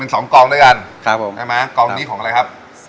อยากเป็น๒กองด้วยกันเฮี่ยไหมกองนี้ของอะไรครับ